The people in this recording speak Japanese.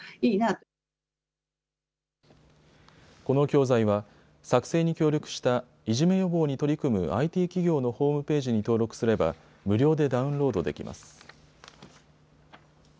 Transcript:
この教材は作成に協力したいじめ予防に取り組むＩＴ企業のホームページに登録すれば無料でダウンロードできます。